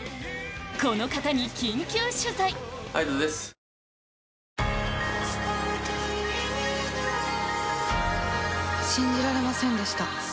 この方に緊急取材信じられませんでした